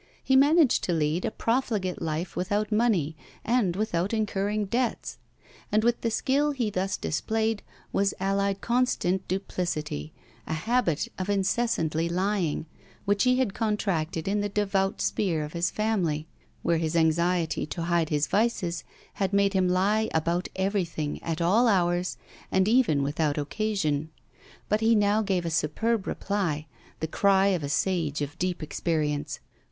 He managed to lead a profligate life without money and without incurring debts; and with the skill he thus displayed was allied constant duplicity, a habit of incessantly lying, which he had contracted in the devout sphere of his family, where his anxiety to hide his vices had made him lie about everything at all hours, and even without occasion. But he now gave a superb reply, the cry of a sage of deep experience.